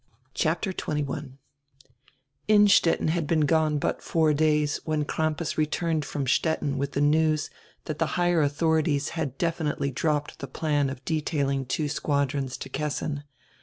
CHAPTER XXI INSTETTEN had been gone but four days when Crampas returned from Stettin with the news that the higher authori ties had definitely dropped the plan of detailing two squadrons to Kessin.